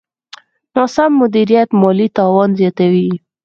ناسم مدیریت مالي تاوان زیاتوي.